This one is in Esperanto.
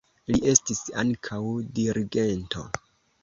Li estis ankaŭ dirigento.